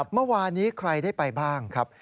เมื่อวานนี้ใครได้ไปบ้างครับ